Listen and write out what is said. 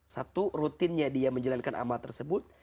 satu rutinnya dia menjalankan amal tersebut